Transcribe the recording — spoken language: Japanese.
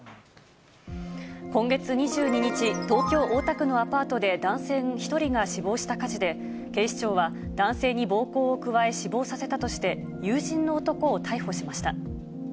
今月２２日、東京・大田区のアパートで、男性１人が死亡した火事で、警視庁は男性に暴行を加え、死亡させたとして、友人の男を逮捕しました。